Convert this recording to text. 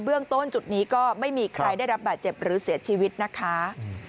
เรื่องต้นจุดนี้ก็ไม่มีใครได้รับบาดเจ็บหรือเสียชีวิตนะคะ